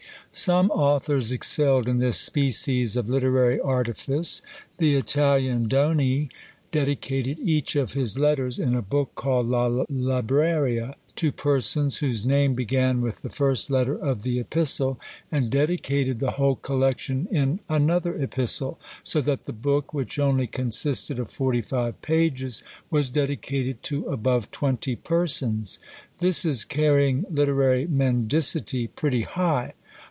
Some authors excelled in this species of literary artifice. The Italian Doni dedicated each of his letters in a book called La Libraria, to persons whose name began with the first letter of the epistle, and dedicated the whole collection in another epistle; so that the book, which only consisted of forty five pages, was dedicated to above twenty persons. This is carrying literary mendicity pretty high.